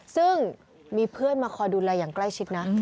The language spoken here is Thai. ซึ่งมีเพื่อนมาคอยดูแลอย่างใกล้ชิดนะ